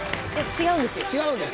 違うんです。